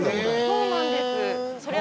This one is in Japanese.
そうなんです。